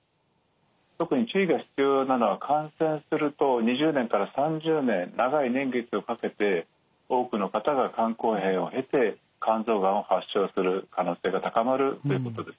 特に注意が必要なのは感染すると２０年から３０年長い年月をかけて多くの方が肝硬変を経て肝臓がんを発症する可能性が高まるということですね。